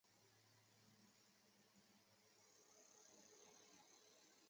梅西耶天体中列出的一组天体。